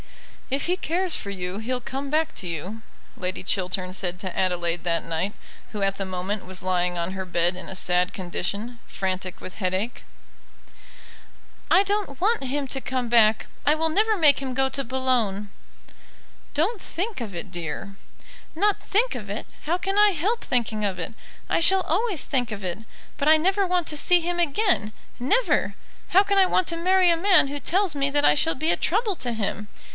"If he cares for you he'll come back to you," Lady Chiltern said to Adelaide that night, who at the moment was lying on her bed in a sad condition, frantic with headache. "I don't want him to come back; I will never make him go to Boulogne." "Don't think of it, dear." "Not think of it! how can I help thinking of it? I shall always think of it. But I never want to see him again never! How can I want to marry a man who tells me that I shall be a trouble to him?